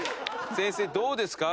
先生どうですか？